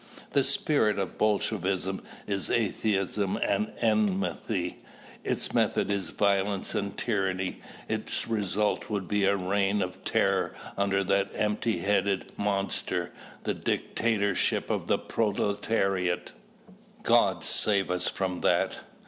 The spirit of Bolshevism is atheism and enmity; its method is violence and tyranny; its result would be a reign of terror under that empty headed monster, "the dictatorship of the proletariat." God save us from that!